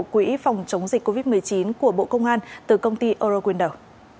quỹ phòng chống dịch covid một mươi chín của bộ công an từ công ty eurowinder